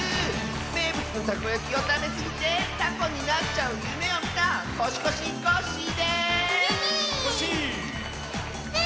めいぶつのたこやきをたべすぎてたこになっちゃうゆめをみたコシコシコッシーです！